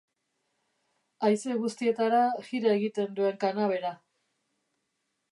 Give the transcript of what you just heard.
Haize guztietara jira egiten duen kanabera.